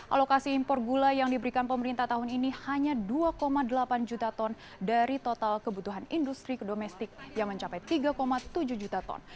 alokasi impor gula yang diberikan pemerintah tahun ini hanya dua delapan juta ton dari total kebutuhan industri ke domestik yang mencapai tiga tujuh juta ton